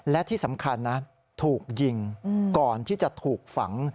และที่สำคัญนะถูกยิงก่อนที่จะถูกฝัง